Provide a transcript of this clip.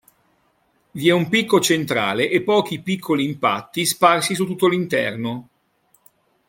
Vi è un picco centrale e pochi piccoli impatti sparsi su tutto l'interno.